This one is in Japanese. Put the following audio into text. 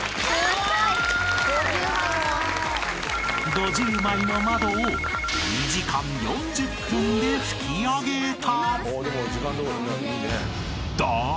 ［５０枚の窓を２時間４０分で拭き上げた］